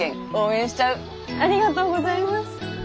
ありがとうございます。